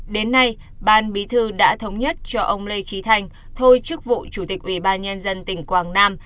đến nay ban bí thư đã thống nhất cho ông lê trí thanh thôi chức vụ chủ tịch ủy ban nhân dân tỉnh quảng nam